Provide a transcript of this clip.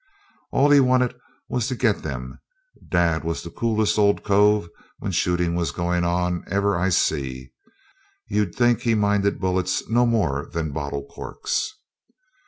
All he wanted was to get them. Dad was the coolest old cove, when shooting was going on, ever I see. You'd think he minded bullets no more than bottle corks.